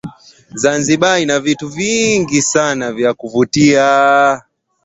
Zanzibar ina vitu vingi sana vya kuvutia